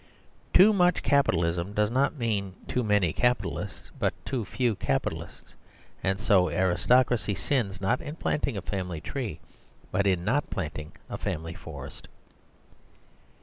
Too much capitalism does not mean too many capitalists, but too few capitalists; and so aristocracy sins, not in planting a family tree, but in not planting a family forest.